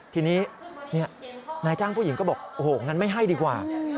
ทีนี้นายจ้างผู้หญิงก็บอกโอ้โหงั้นไม่ให้ดีกว่า